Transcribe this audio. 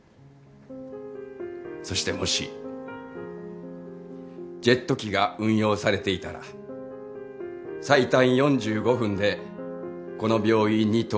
そしてもしジェット機が運用されていたら最短４５分でこの病院に到着したはずです。